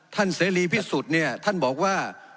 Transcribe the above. เสรีพิสุทธิ์เนี่ยท่านบอกว่า